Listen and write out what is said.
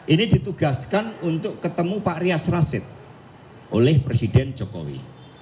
ini ditugaskan untuk ketemu pak rias rasid oleh presiden jokowi